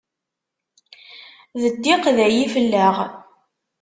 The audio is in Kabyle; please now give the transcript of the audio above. D ddiq dayi fell-aɣ.